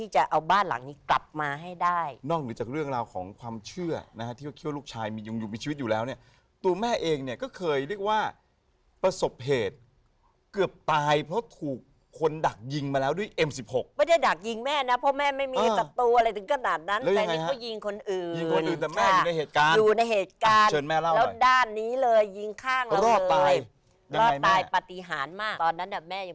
จะเอาบ้านหลังนี้กลับมาให้ได้นอกจากเรื่องราวของความเชื่อนะฮะที่ว่าคิดว่าลูกชายมียุ่งยุ่งมีชีวิตอยู่แล้วเนี่ยตัวแม่เองเนี่ยก็เคยเรียกว่าประสบเหตุเกือบตายเพราะถูกคนดักยิงมาแล้วด้วยเอ็มสิบหกไม่ได้ดักยิงแม่นะเพราะแม่ไม่มีตัวอะไรถึงขนาดนั้นแต่นี่ก็ยิงคนอื่นอยู่ในเหตุการณ์เชิญแม